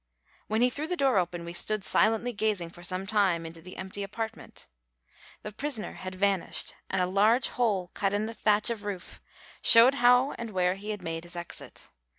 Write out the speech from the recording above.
When he threw the door open we stood silently gazing for some time into the empty apartment. The prisoner had vanished and a large hole cut in the thatch of the roof showed how and where he had made his exit.